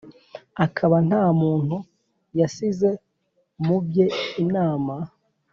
akaba nta muntu yasize mu bye inama